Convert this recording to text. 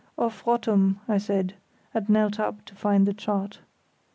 "Off Rottum," I said, and knelt up to find the chart.